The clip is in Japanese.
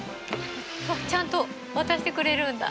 わっちゃんと渡してくれるんだ。